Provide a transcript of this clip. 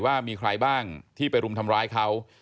ว่ามีใครบ้างที่ไปรุมทำร้ายเขา